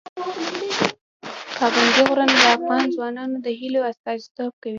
پابندي غرونه د افغان ځوانانو د هیلو استازیتوب کوي.